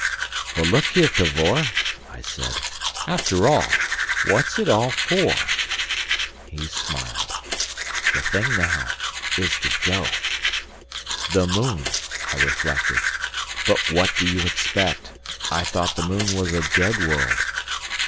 "But look here, Cavor," I said. "After all! What's it all for?" He smiled. "The thing now is to go." "The moon," I reflected. "But what do you expect? I thought the moon was a dead world."